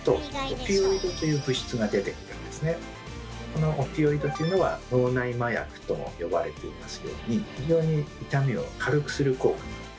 このオピオイドというのは脳内麻薬とも呼ばれていますように非常に痛みを軽くする効果があるんですね。